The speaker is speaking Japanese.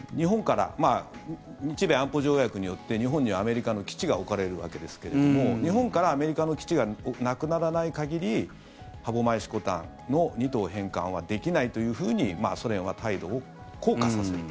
日米安保条約によって日本にはアメリカの基地が置かれるわけですが日本からアメリカの基地がなくならない限り歯舞、色丹の２島返還はできないというふうにソ連は態度を硬化させる。